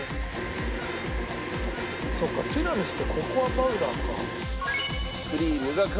そっかティラミスってココアパウダーか。